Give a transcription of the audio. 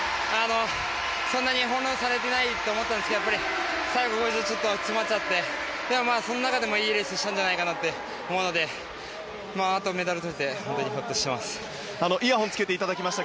そんなに翻弄されていないと思ったんですけど最後、ちょっと詰まっちゃってその中でもいいレースをしたんじゃないかと思うのであとはメダルとれて本当にほっとしています。